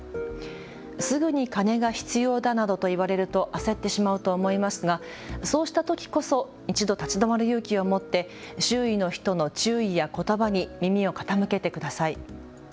すぐに金が必要だなどと言われると焦ってしまうと思いますがそうしたときこそ一度、立ち止まる勇気を持って周囲の人の注意やことばに耳を傾けてください。